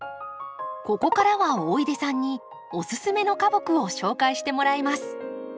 ここからは大出さんにおすすめの花木を紹介してもらいます。